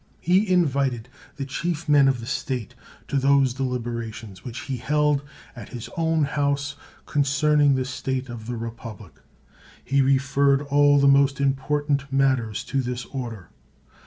He invited the chief men of the state to those deliberations which he held at his own house concerning the state of the republic; he referred all the most important matters to this order.